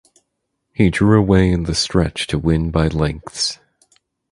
He drew away in the stretch to win by lengths.